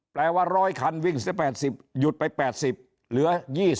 แปลว่าร้อยคันวิ่ง๘๐หยุดไป๘๐เหลือ๒๐